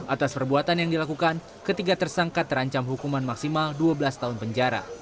atas perbuatan yang dilakukan ketiga tersangka terancam hukuman maksimal dua belas tahun penjara